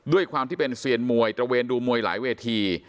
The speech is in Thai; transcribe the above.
ด้วยความที่เป็นเซียนมวยตระเวนดูมวยหลายเวที